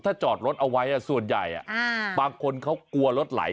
ถ้าจอดรถเอาไว้ส่วนใหญ่บางคนเขากลัวรถไหล